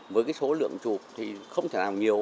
với cái số lượng chụp thì không thể làm nhiều